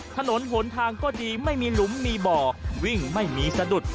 ถนนหนทางก็ดีไม่มีหลุมมีบ่อวิ่งไม่มีสะดุด